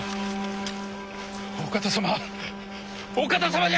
お方様お方様じゃ！